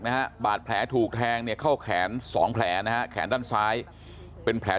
นะฮะบาดแผลถูกแทงเนี่ยเข้าแขนสองแผลนะฮะแขนด้านซ้ายเป็นแผล